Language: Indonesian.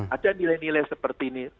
ada nilai nilai seperti ini